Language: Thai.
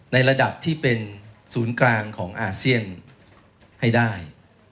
ในระดับที่เป็นศูนย์กลางของอาเซียนให้ได้